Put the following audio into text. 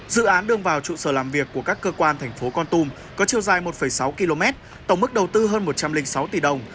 dự án đường vào trụ sở làm việc của các cơ quan thành phố con tum có chiều dài một sáu km tổng mức đầu tư hơn một trăm linh sáu tỷ đồng